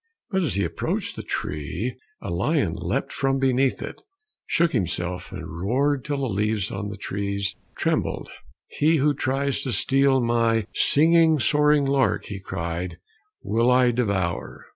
But as he approached the tree, a lion leapt from beneath it, shook himself, and roared till the leaves on the trees trembled. "He who tries to steal my singing, soaring lark," he cried, "will I devour."